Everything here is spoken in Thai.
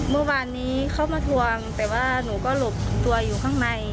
เมื่อวานนี้เขามาทวงแต่ว่าหนูก็หลบตัวอยู่ข้างใน